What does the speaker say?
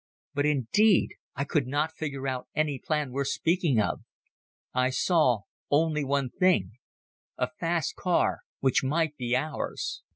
But, indeed, I could not figure out any plan worth speaking of. I saw only one thing—a fast car which might be ours.